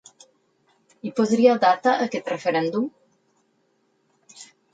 Hi posaria data a aquest referèndum?